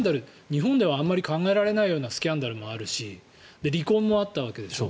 日本ではあまり考えられないようなスキャンダルもあって離婚もあったわけでしょ。